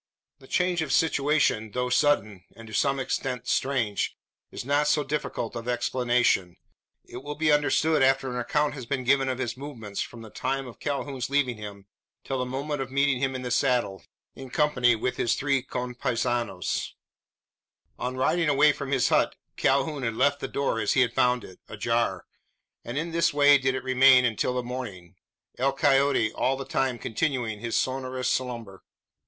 The change of situation though sudden and to some extent strange is not so difficult of explanation. It will be understood after an account has been given of his movements, from the time of Calhoun's leaving him, till the moment of meeting him in the saddle, in company with his three conpaisanos. On riding away from his hut, Calhoun had left the door, as he had found it, ajar; and in this way did it remain until the morning El Coyote all the time continuing his sonorous slumber.